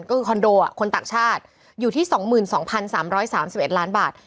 ก็คือคอนโดคนต่างชาติอยู่ที่๒๒๓๓๑ล้านบาท